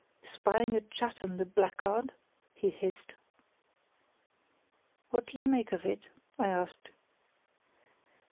"Spying at Chatham, the blackguard?" he hissed. "What do you make of it?" I asked.